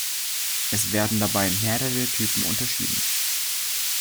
Es werden dabei mehrere Typen unterschieden.